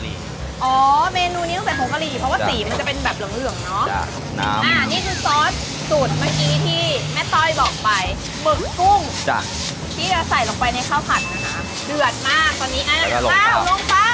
เดือดมากตอนนี้อ่ะอ้าวลงไปค่ะ